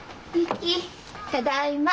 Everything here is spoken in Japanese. ただいま。